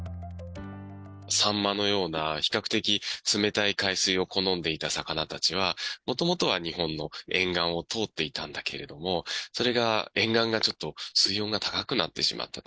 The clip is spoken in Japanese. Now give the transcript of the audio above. サンマのような比較的冷たい海水を好んでいた魚たちは、もともとは日本の沿岸を通っていたんだけれども、それが沿岸がちょっと水温が高くなってしまったと。